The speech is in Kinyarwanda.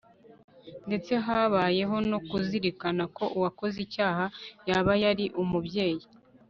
ndetse habayeho no kuzirikana ko uwakoze icyaha yaba yari umubyeyi